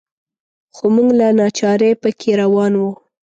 خو موږ له ناچارۍ په کې روان وو.